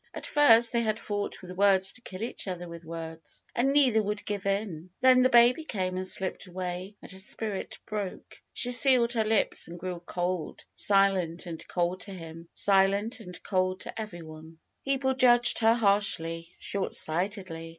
At first they had fought with words to kill each other with words, and neither would give in. Then the baby came and slipped away, and her spirit broke. She sealed her lips and grew cold, silent and cold to him, silent and cold to everyone. 250 FAITH People judged her harshly, short sightedly.